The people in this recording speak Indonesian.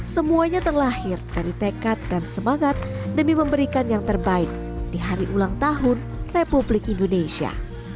semuanya terlahir dari tekad dan semangat demi memberikan yang terbaik di hari ulang tahun republik indonesia